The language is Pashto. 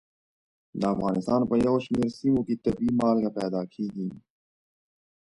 د افغانستان په یو شمېر سیمو کې طبیعي مالګه پیدا کېږي.